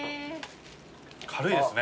軽いですね。